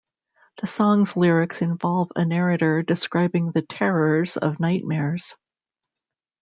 The song's lyrics involve a narrator describing the terrors of nightmares.